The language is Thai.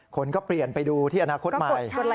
คนก็เปลี่ยนไปดูที่อนาคตใหม่